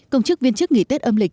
công chức viên chức nghỉ tết âm lịch